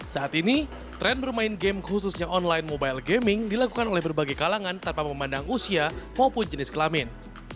saat ini tren bermain game khususnya online mobile gaming dilakukan oleh berbagai kalangan tanpa memandang usia maupun jenis kelamin